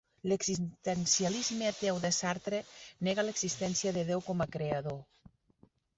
L'existencialisme ateu de Sartre nega l'existència de Déu com a creador.